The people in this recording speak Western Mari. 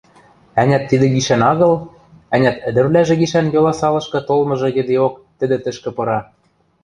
Ӓнят, тидӹ гишӓн агыл, ӓнят, ӹдӹрвлӓжӹ гишӓн Йоласалышкы толмыжы йӹдеок тӹдӹ тӹшкӹ пыра.